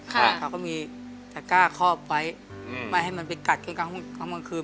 เขาก็มีตะก้าคอบไว้ไม่ให้มันไปกัดช่วงกลางคืน